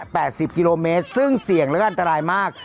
สิบกิโลเมตรซึ่งเสี่ยงแล้วก็อันตรายมาก